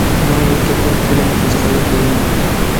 ماڭا بۇ گەپلەر تولىمۇ قىزىقارلىق بىلىندى.